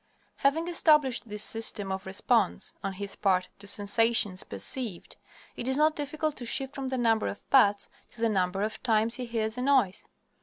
Having established this system of response on his part to sensations perceived, it is not difficult to shift from the number of pats to the number of times he hears a noise.